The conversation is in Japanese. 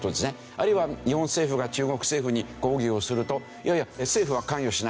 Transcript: あるいは日本政府が中国政府に抗議をするといやいや政府は関与しない。